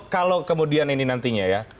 kalau kemudian ini nantinya ya